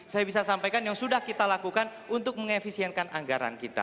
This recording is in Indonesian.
saya bisa sampaikan yang sudah kita lakukan untuk mengefisienkan